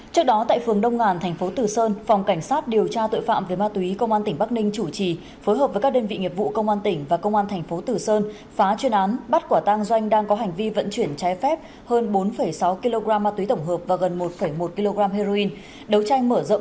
trước đó tại phường đông ngàn thành phố tử sơn phòng cảnh sát điều tra tội phạm về ma túy công an tỉnh bắc ninh chủ trì phối hợp với các đơn vị nghiệp vụ công an tỉnh và công an thành phố tử sơn phá chuyên án bắt quả tang doanh đang có hành vi vận chuyển trái phép hơn bốn sáu kg ma túy tổng hợp và gần một một kg heroin